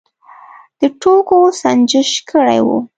د توکو سنجش کړی و.